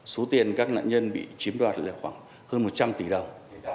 số tiền các nạn nhân bị chiếm đoạt là khoảng hơn một trăm linh tỷ đồng